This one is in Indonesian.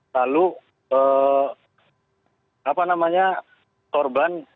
lalu apa namanya sorban